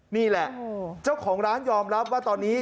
นี่แหละเจ้าของร้านยอมรับว่าตอนนี้